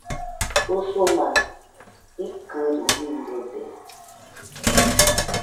Usuma ikɨrirede